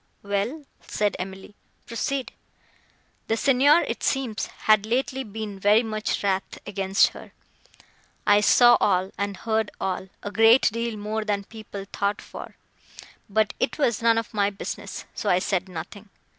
"Well," said Emily, "proceed." "The Signor, it seems, had lately been very wrath against her. I saw all, and heard all,—a great deal more than people thought for; but it was none of my business, so I said nothing.